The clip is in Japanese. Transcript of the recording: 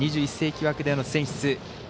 ２１世紀枠での選出